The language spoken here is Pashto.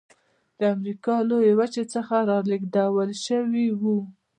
د امریکا لویې وچې څخه رالېږدول شوي وو.